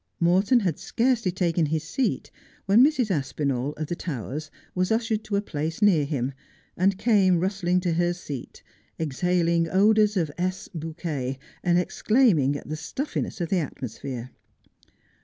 Morton had scarcely taken his seat when Mrs. Aspinall, of the Towers, was ushered to a place near him, and came rustling to her seat, exhaling odours of Lss. bouquet, and exclaiming at the stuffiness of the atmosphere.